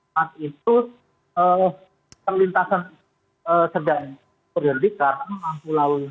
taktronton waju dari arah semarang